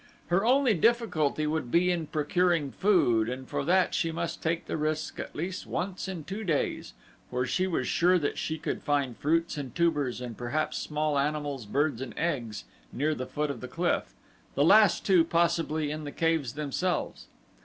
Her only difficulty would be in procuring food and for that she must take the risk at least once in two days, for she was sure that she could find fruits and tubers and perhaps small animals, birds, and eggs near the foot of the cliff, the last two, possibly, in the caves themselves.